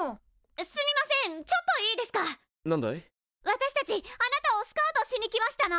私たちあなたをスカウトしに来ましたの。